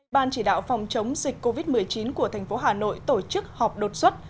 ban chỉ đạo phòng chống dịch covid một mươi chín của tp hà nội tổ chức họp đột xuất